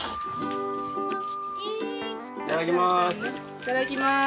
いただきます。